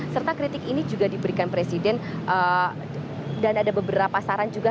serta kritik ini juga diberikan presiden dan ada beberapa saran juga